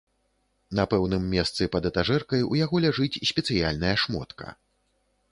На пэўным месцы пад этажэркай у яго ляжыць спецыяльная шмотка.